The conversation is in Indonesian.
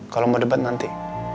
kalo mau debat nanti